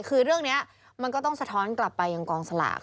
คือเรื่องนี้มันก็ต้องสะท้อนกลับไปยังกองสลาก